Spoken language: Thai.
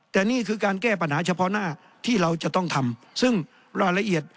แต่นี่คือการแก้ปัญหาเฉพาะหน้าที่เราจะต้องทำซึ่งรายละเอียด